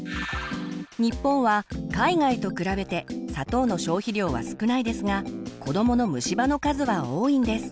日本は海外と比べて砂糖の消費量は少ないですが子どもの虫歯の数は多いんです。